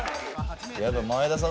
前田さん